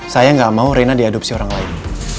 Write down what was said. saya gak mau reina diadopsi orang lain